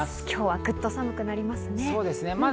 今日はぐっと寒くなりますね。